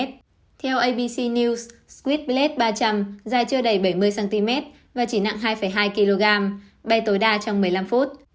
theo abc news squit blade ba trăm linh dài chưa đầy bảy mươi cm và chỉ nặng hai hai kg bay tối đa trong một mươi năm phút